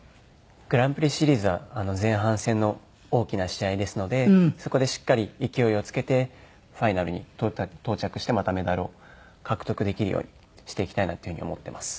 グランプリシリーズは前半戦の大きな試合ですのでそこでしっかり勢いをつけてファイナルに到着してまたメダルを獲得できるようにしていきたいなっていうふうに思っています。